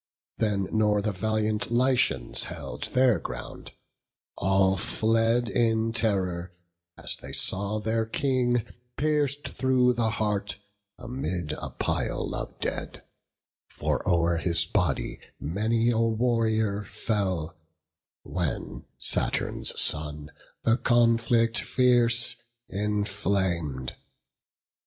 Then nor the valiant Lycians held their ground; All fled in terror, as they saw their King Pierc'd through the heart, amid a pile of dead; For o'er his body many a warrior fell, When Saturn's son the conflict fierce inflam'd.